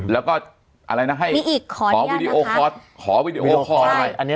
แล้วก็อะไรนะให้ขอวิดีโอคอร์อะไร